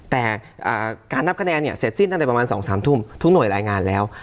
แต่การนับคะแนนเนี่ยเสร็จสิ้นตั้งแต่ประมาณ๒๓ทุ่มทุกหน่วยรายงานแล้ว